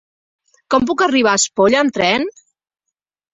Com puc arribar a Espolla amb tren?